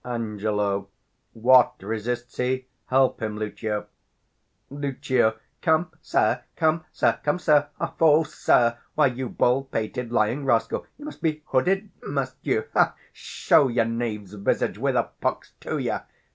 Ang. What, resists he? Help him, Lucio. Lucio. Come, sir; come, sir; come, sir; foh, sir! Why, you bald pated, lying rascal, you must be hooded, 350 must you? Show your knave's visage, with a pox to you!